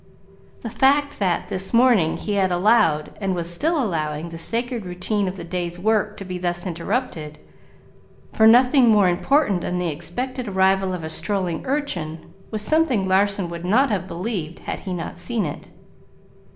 The fact that, this morning, he had allowed, and was still allowing, the sacred routine of the day's work to be thus interrupted, for nothing more important than the expected arrival of a strolling urchin, was something Larson would not have believed had he not seen it.